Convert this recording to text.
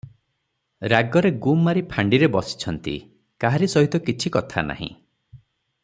ରାଗରେ ଗୁମ୍ ମାରି ଫାଣ୍ଡିରେ ବସିଛନ୍ତି, କାହାରି ସହିତ କିଛି କଥା ନାହିଁ ।